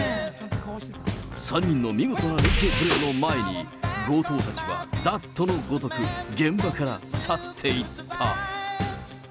３人の見事な連係プレーの前に強盗たちは脱兎のごとく、現場から去っていった。